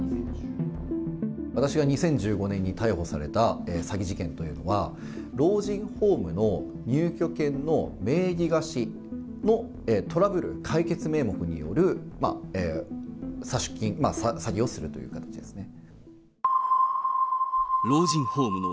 私が２０１５年に逮捕された詐欺事件というのは、老人ホームの入居権の名義貸しのトラブル解決名目による詐取金、詐欺をするということですね。